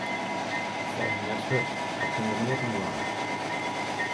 Fal him net hurd, hy kin der neat oan dwaan.